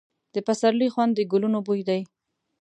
د پسرلي خوند د ګلونو بوی دی.